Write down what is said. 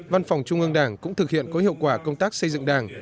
văn phòng trung ương đảng cũng thực hiện có hiệu quả công tác xây dựng đảng